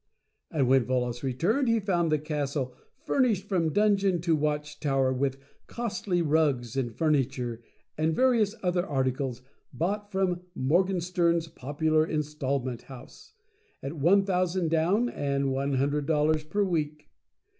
And when Volos returned, he found the Castle fur nished from dungeon to watch tower with costly rugs, and furniture, and various other articles, bought from "Morganstern's Popular Installment House," at $1,000 down and $100 per week.